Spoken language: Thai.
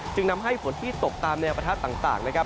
จึงทำให้ฝนที่ตกตามแนวประทัดต่างนะครับ